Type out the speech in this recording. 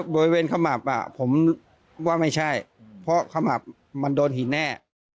ขมับผมว่าไม่ใช่เพราะขมับมันโดนหินแน่